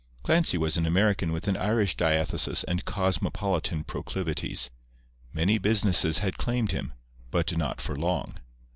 Clancy was an American with an Irish diathesis and cosmopolitan proclivities. Many businesses had claimed him, but not for long.